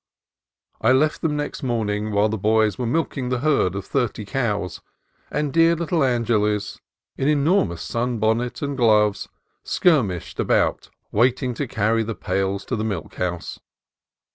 I left them next morning while the boys were milking the herd of thirty cows, and dear little Angeles, in enormous sunbonnet and gloves, skir mished about waiting to carry the pails to the milk house.